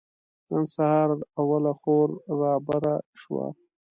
نن سهار اوله خور رابره شوه.